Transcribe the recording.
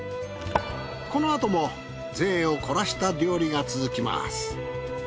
このあとも贅を凝らした料理が続きます。